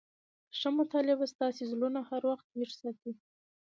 ښه مطالعه به ستاسي زړونه هر وخت ويښ ساتي.